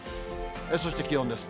そして気温です。